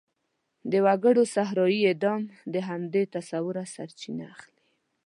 د وګړو صحرايي اعدام د همدې تصوره سرچینه اخلي.